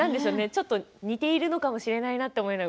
ちょっと似ているのかもしれないなと思って。